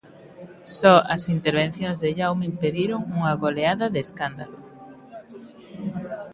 Só as intervencións de Jaume impediron unha goleada de escándalo.